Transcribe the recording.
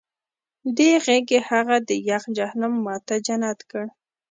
دې غېږې هغه د یخ جهنم ما ته جنت کړ